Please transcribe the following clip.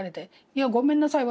「いやごめんなさい